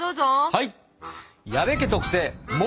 はい。